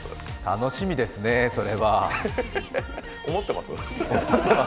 楽しみですね、それは。思ってますよ。